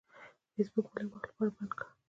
فیسبوک مې لږ وخت لپاره بند کړ.